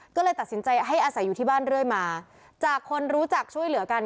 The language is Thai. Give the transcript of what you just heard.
ก็เลยตัดสินใจให้อาศัยอยู่ที่บ้านเรื่อยมาจากคนรู้จักช่วยเหลือกัน